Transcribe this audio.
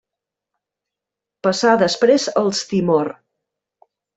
Passà després als Timor: